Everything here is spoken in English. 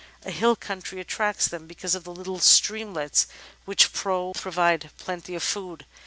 A hill country attracts them because of the little streamlets which pro\ade plenty of food.